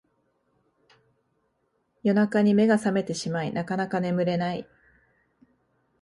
夜中に目が覚めてしまいなかなか眠れない